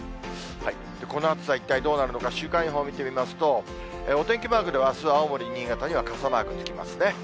この暑さ、一体どうなるのか、週間予報を見てみますと、お天気マークではあすは青森、新潟には傘マークつきますね。